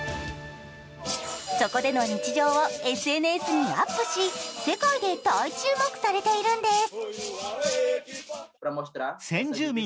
そこでの日常をＳＮＳにアップし世界で大注目されているんです。